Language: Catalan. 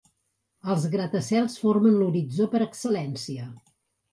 Els gratacels formen l'horitzó per excel·lència.